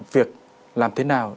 việc làm thế nào